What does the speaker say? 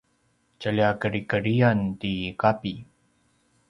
tjalja kedrikedriyan ti Kapi